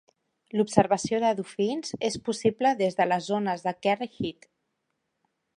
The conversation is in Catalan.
L'observació de dofins és possible des de les zones de Kerry Head.